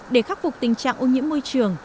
để khắc phục tình trạng ô nhiễm môi trường